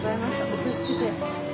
お気をつけて。